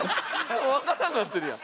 もうわからなくなってるやん。